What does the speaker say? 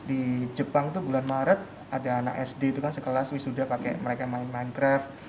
di jepang itu bulan maret ada anak sd itu kan sekelas wisuda pakai mereka main main draft